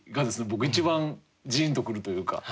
僕一番じんとくるというか。